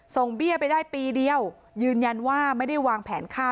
เบี้ยไปได้ปีเดียวยืนยันว่าไม่ได้วางแผนฆ่า